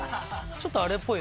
ちょっとあれっぽい。